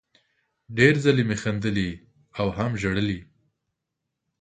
ډېر ځلې مې خندلي او هم ژړلي